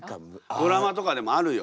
ドラマとかでもあるよ。